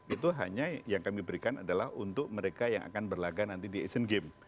itu hanya yang kami berikan adalah untuk mereka yang akan berlagak nanti di asian games